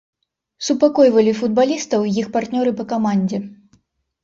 Супакойвалі футбалістаў іх партнёры па камандзе.